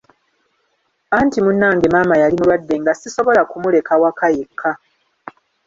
Anti munnange maama yali mulwadde nga sisobola ku muleka waka yekka.